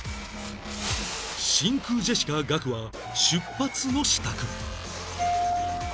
真空ジェシカガクは出発の支度